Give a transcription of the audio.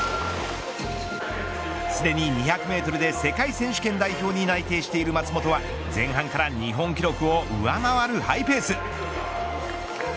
すでに２００メートルで世界選手権代表に内定している松元前半から日本記録を上回るハイペース。